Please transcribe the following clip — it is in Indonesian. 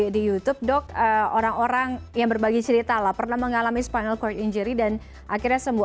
di youtube dok orang orang yang berbagi cerita lah pernah mengalami spinal cord injury dan akhirnya sembuh